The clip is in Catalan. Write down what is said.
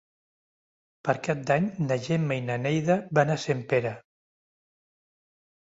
Per Cap d'Any na Gemma i na Neida van a Sempere.